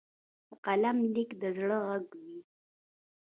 د قلم لیک د زړه غږ وي.